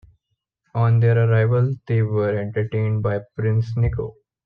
On their arrival they were entertained by Prince Niko.